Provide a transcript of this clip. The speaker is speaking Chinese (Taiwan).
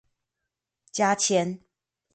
加簽